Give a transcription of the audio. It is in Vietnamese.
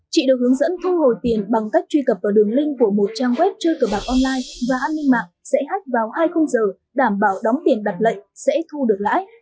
chị được hướng dẫn thu hồi tiền bằng cách truy cập vào đường link của một trang web chơi cờ bạc online và an ninh mạng sẽ hách vào hai khung giờ đảm bảo đóng tiền đặt lệnh sẽ thu được lãi